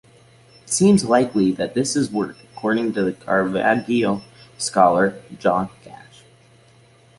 It seems likely that this is the work, according to Caravaggio scholar John Gash.